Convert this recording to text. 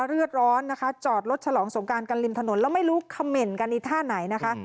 เลือดร้อนนะคะจอดรถฉลองสงการกันริมถนนแล้วไม่รู้เขม่นกันอีกท่าไหนนะคะ